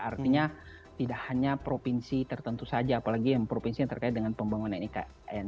artinya tidak hanya provinsi tertentu saja apalagi yang provinsi yang terkait dengan pembangunan ikn